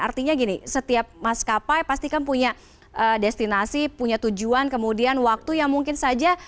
artinya gini setiap maskapai pasti kan punya destinasi punya tujuan kemudian waktu yang mungkin saja